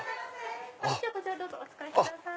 こちらお使いください。